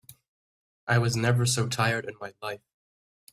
I was never so tired in my life.